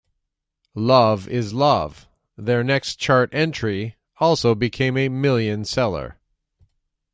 "Love is Love", their next chart entry, also became a million-seller.